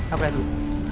aku lihat dulu